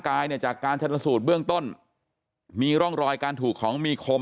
กายเนี่ยจากการชนสูตรเบื้องต้นมีร่องรอยการถูกของมีคม